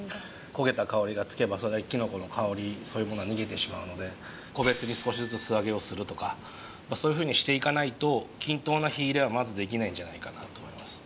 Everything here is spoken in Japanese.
焦げた香りがつけばそれだけキノコの香りそういうものが逃げてしまうので個別に少しずつ素揚げをするとかそういうふうにしていかないと均等な火入れはまずできないんじゃないかなと思います